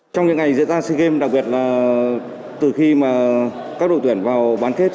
trong những ngày diễn ra sea games đặc biệt là từ khi mà các đội tuyển vào bán kết